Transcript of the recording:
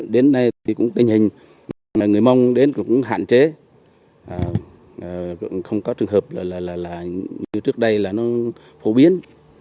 đến nay thì cũng tình hình người mông đến cũng hạn chế không có trường hợp là như trước đây là nó phổ biến